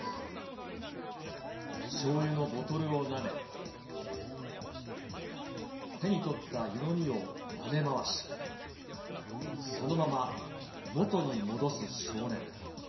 しょうゆのボトルをなめ、手に取った湯飲みをなめ回し、そのまま元に戻す少年。